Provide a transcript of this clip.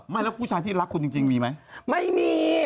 แล้วผู้ชายที่รักคุณจริงมีไหมไม่มี